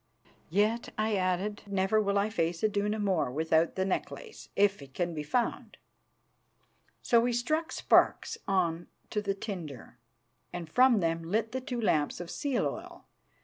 "Yet," I added, "never will I face Iduna more without the necklace, if it can be found." So we struck sparks on to the tinder, and from them lit the two lamps of seal oil.